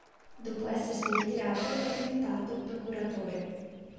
Dopo essersi ritirato, è diventato procuratore.